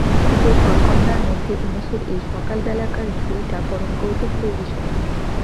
ক্ষুদ্র ঘরকন্নার মধ্যে উমেশের এই সকালবেলাকার ঝুড়িটা পরম কৌতূহলের বিষয়।